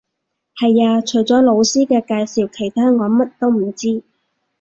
係呀，除咗老師嘅介紹，其他我乜都唔知